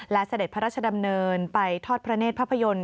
และเสด็จพระราชดำเนินไปทอดพระเนธภาพยนตร์